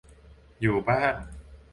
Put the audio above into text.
อยู่บ้าง